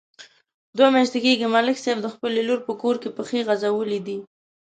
دوه میاشتې کېږي، ملک صاحب د خپلې لور په کور کې پښې غځولې دي.